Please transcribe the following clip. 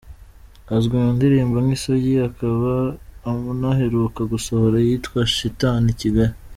Azwi mu ndirimbo nk’Isugi akaba anaheruka gusohora iyitwa ‘Shitani i Kigali”.